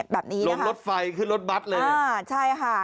แบบนี้นะคะใช่ค่ะลงรถไฟขึ้นรถบัตรเลย